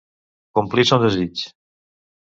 Complir son desig.